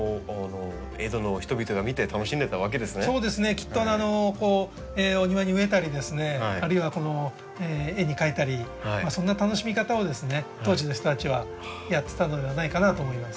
きっとお庭に植えたりですねあるいは絵に描いたりそんな楽しみ方を当時の人たちはやってたのではないかなと思います。